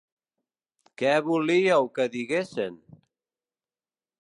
Què volíeu què diguessen?